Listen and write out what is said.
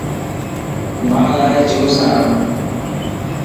مان لا جوس آڻ